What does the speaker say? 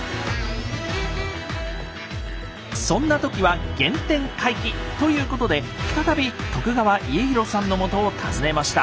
そんな時は原点回帰！ということで再び川家広さんのもとを訪ねました。